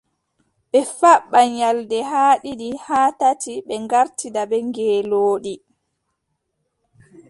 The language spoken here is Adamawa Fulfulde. Ɓe faɓɓa nyalɗe haa ɗiɗi haa tati, ɓe ngartida bee ngeelooɗi,